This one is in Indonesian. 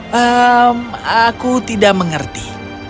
hmm aku tidak mengerti